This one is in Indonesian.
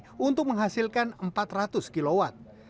ini untuk menghasilkan empat ratus kilowatt